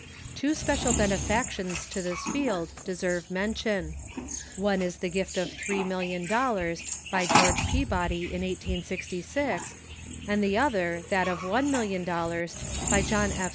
Two special benefactions to this field deserve mention. One is the gift of three million dol lars by George Peabody in 1866, and the other that of one million dollars by John F.